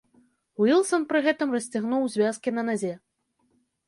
Уілсан пры гэтым расцягнуў звязкі на назе.